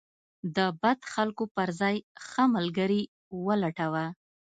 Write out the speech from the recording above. د بد خلکو پر ځای ښه ملګري ولټوه.